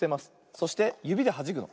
そしてゆびではじくの。